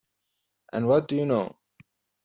And what do you know?